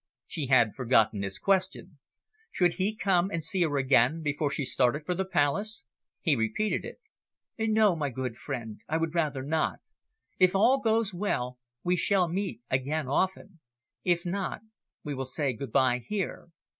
She had forgotten his question should he come and see her again before she started for the Palace? He repeated it. "No, my good friend, I would rather not. If all goes well, we shall meet again often. If not, we will say good bye here.